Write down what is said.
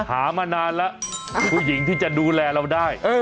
หามานานแล้วผู้หญิงที่จะดูแลเราได้